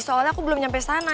soalnya aku belum sampai sana